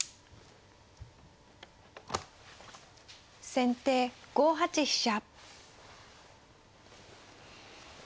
先手５八飛車。